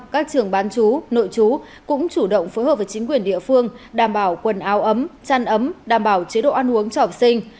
các trường bán chú nội chú cũng chủ động phối hợp với chính quyền địa phương đảm bảo quần áo ấm chăn ấm đảm bảo chế độ ăn uống cho học sinh